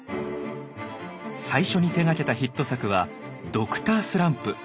最初に手がけたヒット作は「Ｄｒ．スランプ」。